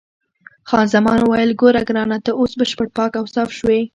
خان زمان وویل: ګوره ګرانه، ته اوس بشپړ پاک او صاف شوې.